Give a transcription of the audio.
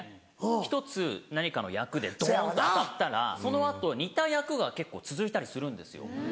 １つ何かの役でドンと当たったらその後似た役が結構続いたりするんですよ。